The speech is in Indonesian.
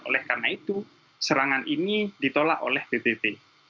oleh karena itu serangan ini ditolak oleh bpp